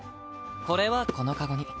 これはこのカゴに。